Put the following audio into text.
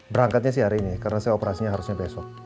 berangkatnya sih hari ini karena saya operasinya harusnya besok